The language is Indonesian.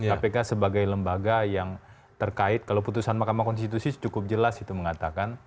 kpk sebagai lembaga yang terkait kalau putusan mahkamah konstitusi cukup jelas itu mengatakan